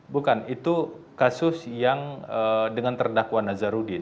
bukan itu kasus yang dengan terdakwa nazarudin